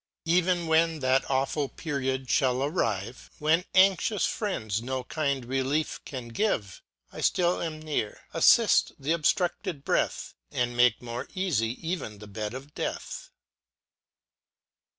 Ev'n when that aweful period /hall arrive, When anxious friends no kind relief can givt f I (till am near, aflift the obftructed breath, And make more eafy ev'n the bed of death.